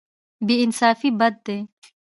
بې انصافي بد دی.